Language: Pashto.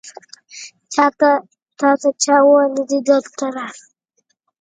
تاته چا وویل چې دلته راشه؟